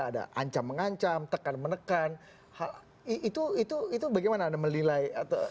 ada ancam mengancam tekan menekan itu bagaimana anda menilai